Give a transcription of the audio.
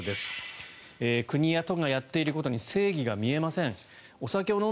国や都がやっていることに正義が見えません